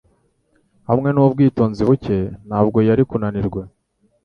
Hamwe nubwitonzi buke, ntabwo yari kunanirwa.